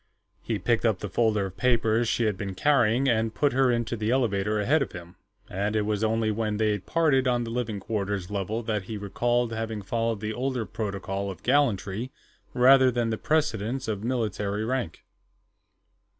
He picked up the folder of papers she had been carrying, and put her into the elevator ahead of him, and it was only when they parted on the living quarters level that he recalled having followed the older protocol of gallantry rather than the precedence of military rank.